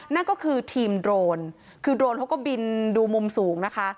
นั่นก็คือทีมโดรนคือโดรนเขาก็บินดูมุมสูงนะคะ